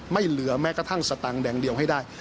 ไม่เหลือแม้กระทั่งสตางค์แดงเดียวให้ได้